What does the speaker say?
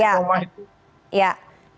masih rumah itu